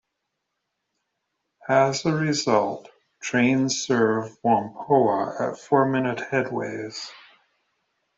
As a result, trains serve Whampoa at four-minute headways.